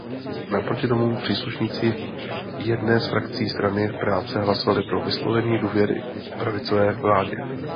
Naproti tomu příslušníci jedné z frakcí Strany práce hlasovali pro vyslovení důvěry pravicové vládě.